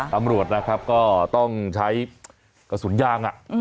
ตำรวจนะครับก็ต้องใช้กระสุนยาง